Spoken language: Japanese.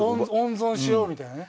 温存しようみたいなね。